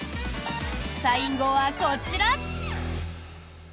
最後はこちら！